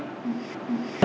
một số cơ sở giáo dục mầm non